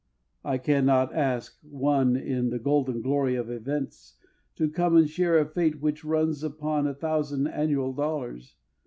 I cannot ask One in the golden glory of events To come and share a fate which runs upon A thousand annual dollars.